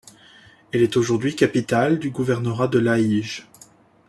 Elle est aujourd'hui capitale du gouvernorat de Lahij.